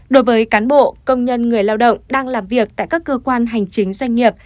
đối với cán bộ công nhân người lao động đang làm việc tại các cơ quan hành chính doanh nghiệp